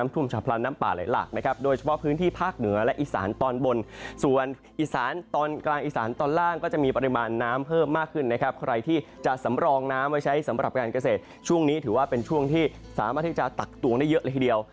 ที่จะตักตวงได้เยอะหลายทีเดียว